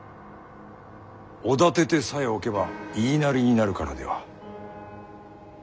おだててさえおけば言いなりになるからでは？